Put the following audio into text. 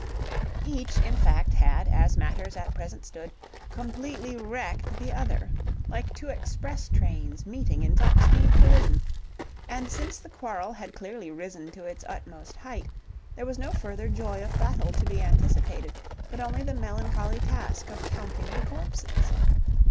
Each, in fact, had, as matters at present stood, completely wrecked the other, like two express trains meeting in top speed collision, and, since the quarrel had clearly risen to its utmost height, there was no further joy of battle to be anticipated, but only the melancholy task of counting the corpses.